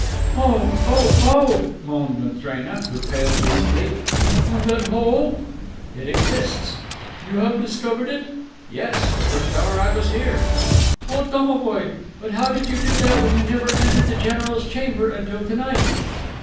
"Oh, oh, oh," moaned Matrena, who paled visibly. "And that hole?" "It exists." "You have discovered it?" "Yes, the first hour I was here." "Oh, domovoi! But how did you do that when you never entered the general's chamber until to night?"